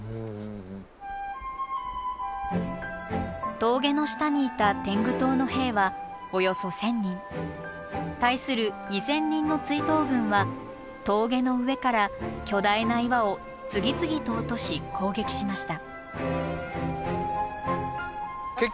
峠の下にいた天狗党の兵はおよそ１，０００人。対する２，０００人の追討軍は峠の上から巨大な岩を次々と落とし攻撃しました。